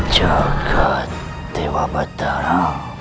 jagad dewa batara